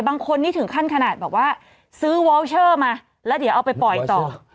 บางคนนี่ถึงขั้นขนาดบอกว่าซื้อวอลเชอร์มาแล้วเดี๋ยวเอาไปปล่อยต่อ